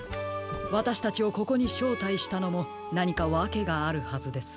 わたしたちをここにしょうたいしたのもなにかわけがあるはずです。